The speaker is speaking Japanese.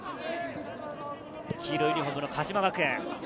黄色いユニホームの鹿島学園。